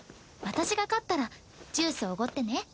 私が勝ったらジュースおごってね。